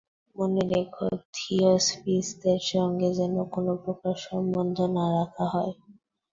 মনে রেখো, থিওসফিষ্টদের সঙ্গে যেন কোন প্রকার সম্বন্ধ না রাখা হয়।